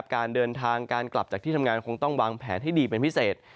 การเดินทางการกลับจากที่ทำงานคงต้องวางแผนให้ดีเป็นพิเศษ